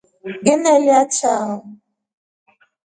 Nginielya chao.